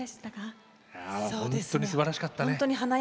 本当にすばらしかったね。